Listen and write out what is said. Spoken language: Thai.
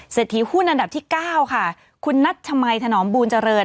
ถีหุ้นอันดับที่๙ค่ะคุณนัชมัยถนอมบูลเจริญ